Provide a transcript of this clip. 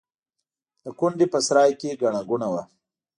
د کونډې په سرای کې ګڼه ګوڼه وه.